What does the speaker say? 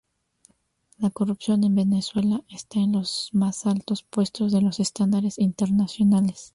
La corrupción en Venezuela está en los más altos puestos de los estándares internacionales.